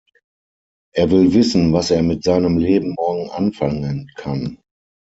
Er will wissen, was er mit seinem Leben morgen anfangen kann.